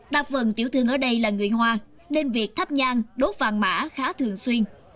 đặc vần tiểu thương ở đây là người hoa nên việc thắp nhang đốt vàng mã khá thường xuyên